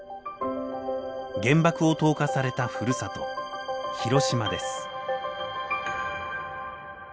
原爆を投下されたふるさと「ヒロシマ」です。